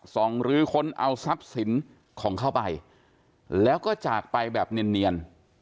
หรือค้นเอาทรัพย์สินของเข้าไปแล้วก็จากไปแบบเนียน